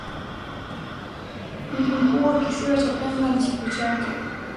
Mji mkuu wa kisiwa Cha pemba ni Chake Chake